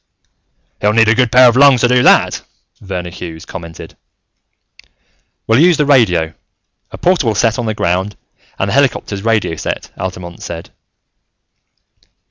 "He'll need a good pair of lungs to do that," Verner Hughes commented. "We'll use the radio. A portable set on the ground, and the helicopter's radio set," Altamont said.